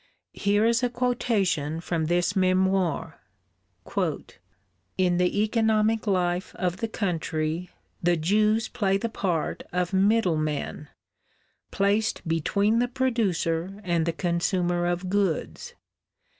Here is a quotation from this memoir: "In the economic life of the country the Jews play the part of middlemen, placed between the producer and the consumer of goods.